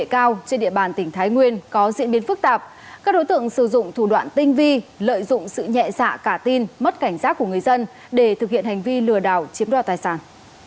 các đối tượng sử dụng thủ đoạn tinh vi lợi dụng sự nhẹ dạ cả tin mất cảnh giác của người dân để thực hiện hành vi lừa đảo chiếm đo tài sản